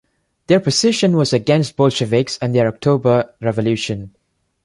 Their position was against Bolsheviks and their October Revolution.